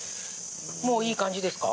もういい感じですか？